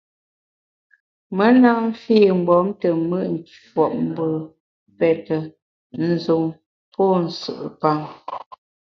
Me na mfi mgbom te mùt nshuopmbù, pète, nzun pô nsù’pam.